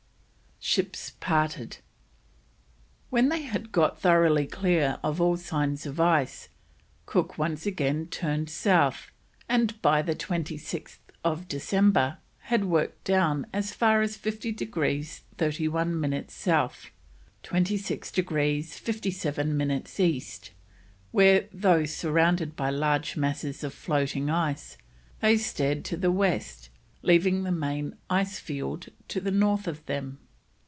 SHIPS PARTED. When they had got thoroughly clear of all signs of ice, Cook once again turned south, and by 26th December had worked down as far as 50 degrees 31 minutes South, 26 degrees 57 minutes East, where, though surrounded by large masses of floating ice, they steered to the west, leaving the main ice field to the north of them.